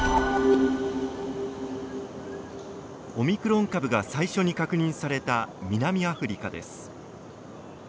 オミクロン株が最初に確認された南アフリカです。